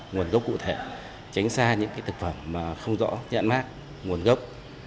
nguồn gốc cụ thể tránh xa những thực phẩm không rõ nhãn mát nguồn gốc